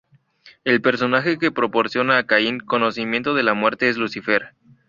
El personaje que proporciona a Caín conocimiento de la muerte es Lucifer.